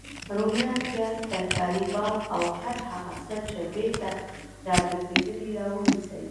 روميان، پیاز، ترکاري باب او هر هغه څه چی بیرته راګرځیدلي راونیسئ